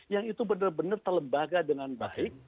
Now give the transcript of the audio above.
yang itu benar benar terlembaga dengan baik